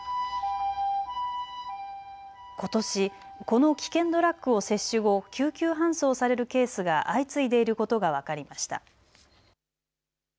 ことしこの危険ドラッグを接種後救急搬送されるケースが相次いでいることが分かりました。